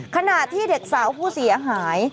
ขณะที่เด็กสาวผู้เสียหาย